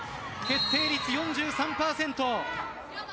決定率４３％。